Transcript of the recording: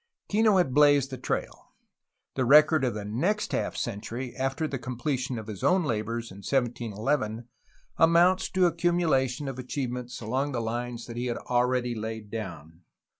Kino had blazed the trail. The record of the next half century after the completion of his own labors in 1711 amounts to a cumulation of achievements along lines that he had already laid down.